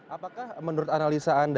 apakah menurut analisa anda